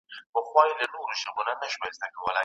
چېري کولای سو صحي او تازه خواړه پیدا کړو؟